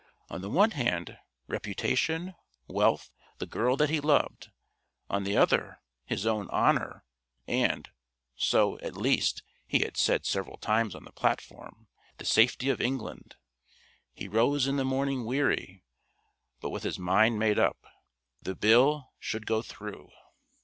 On the one hand, reputation, wealth, the girl that he loved; on the other, his own honour and so, at least, he had said several times on the platform the safety of England. He rose in the morning weary, but with his mind made up. The Bill should go through!